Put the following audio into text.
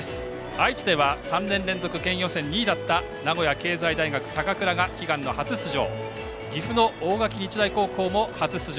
愛知では３年連続、県予選２位だった名古屋経済大学高蔵が悲願の初出場。